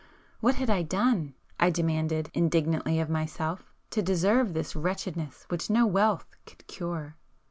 What had I done, I demanded indignantly of myself, to deserve this wretchedness which no wealth could cure?